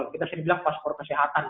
kita sering bilang paspor kesehatan